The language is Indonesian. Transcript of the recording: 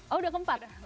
oh udah keempat